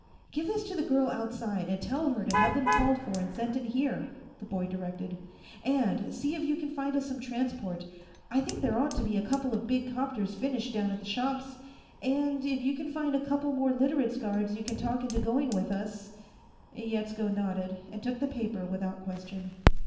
"Give this to the girl outside, and tell her to have them called for and sent in here," the boy directed. "And see if you can find us some transport. I think there ought to be a couple of big 'copters finished down at the shops. And if you can find a couple more Literates' guards you can talk into going with us " Yetsko nodded and took the paper without question.